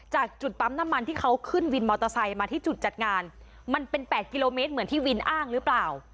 จากจุดปั๊มน้ำมันที่เขาขึ้นวินมอเตอร์ไซค์มาที่จุดจัดงานมันเป็น๘กิโลเมตรเหมือนที่วินอ้างหรือเปล่า